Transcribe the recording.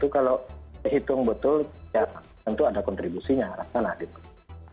kalau dihitung betul ya tentu ada kontribusinya